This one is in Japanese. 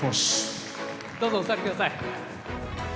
どうぞお座り下さい。